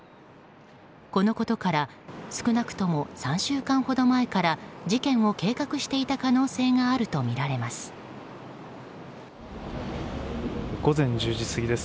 このことから少なくとも３週間ほど前から事件を計画していた可能性があるとみられます。